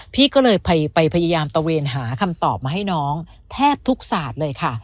พี่ก็เลยไปพยายามตะเวนหาคำตอบมาให้น้องแทบทุกศาสตร์เลยค่ะ